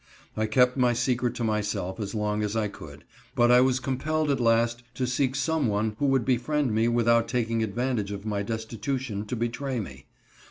I kept my secret to myself as long as I could, but I was compelled at last to seek some one who would befriend me without taking advantage of my destitution to betray me.